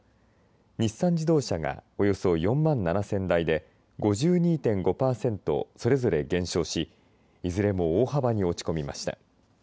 日産自動車がおよそ４万７０００台で５２．５パーセントそれぞれ減少しいずれも大幅に落ち込みました。